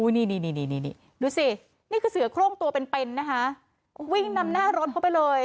นี่คือเสือโครงตัวเป็นเป็นนะฮะวิ่งนำหน้ารถเข้าไปเลย